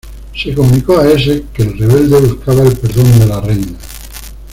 Se comunicó a Essex que el rebelde buscaba el perdón de la reina.